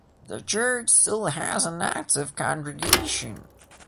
The church still has an active congregation.